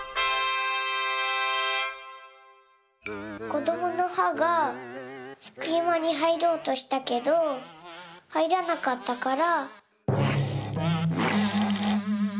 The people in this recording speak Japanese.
こどものはがすきまにはいろうとしたけどはいらなかったから。